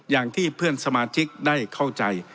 อย่างที่เพื่อนสมาชิกได้เข้าใจ